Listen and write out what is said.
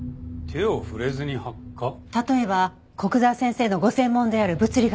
例えば古久沢先生のご専門である物理学で。